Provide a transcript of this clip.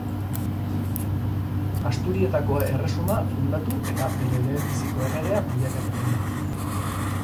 Asturietako Erresuma fundatu eta bere lehenbiziko erregea bilakatuko zen.